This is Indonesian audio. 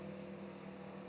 nggak ada pakarnya